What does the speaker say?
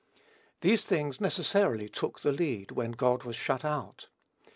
These things necessarily took the lead, when God was shut out.